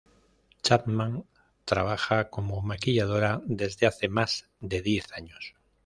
Chapman trabaja como maquilladora desde hace más de diez años.